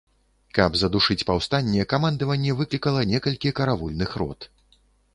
Каб задушыць паўстанне, камандаванне выклікала некалькі каравульных рот.